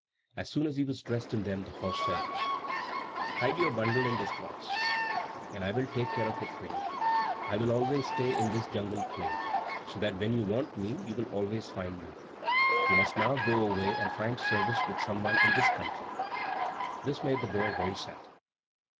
As soon as he was dressed in them the horse said, "Hide your bundle in this grass, and I will take care of it for you. I will always stay in this jungle plain, so that when you want me you will always find me. You must now go away and find service with some one in this country." This made the boy very sad.